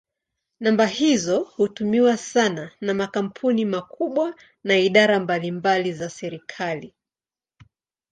Namba hizo hutumiwa sana na makampuni makubwa na idara mbalimbali za serikali.